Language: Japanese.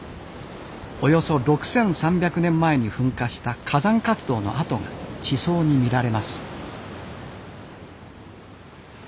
およそ６，３００年前に噴火した火山活動の跡が地層に見られます。